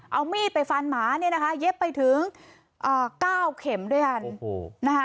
เอามีดไปฟันหมาเนี่ยนะคะเย็บไปถึง๙เข็มด้วยกันนะคะ